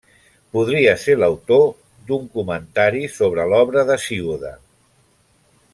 Podria ser l'autor d'un comentari sobre l'obra d'Hesíode.